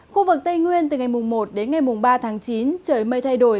khu vực tây nguyên từ ngày mùng một đến ngày mùng ba tháng chín trời mây thay đổi